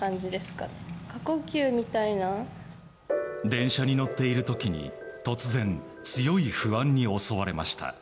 電車に乗っている時に突然、強い不安に襲われました。